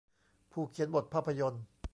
ผู้เขียนบทภาพยนตร์